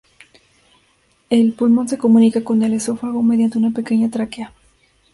El pulmón se comunica con el esófago mediante una pequeña tráquea.